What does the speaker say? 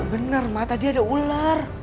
bener ma tadi ada ular